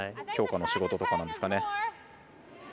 強化の仕事とかなんですかね。